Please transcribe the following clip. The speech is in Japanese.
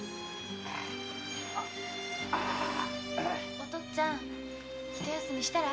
お父っつぁん一休みしたら。